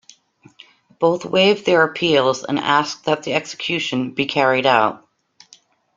Both waived their appeals and asked that the execution be carried out.